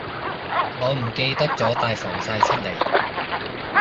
我唔記得咗帶防曬出嚟